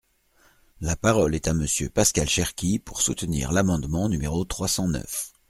La parole est à Monsieur Pascal Cherki, pour soutenir l’amendement numéro trois cent neuf.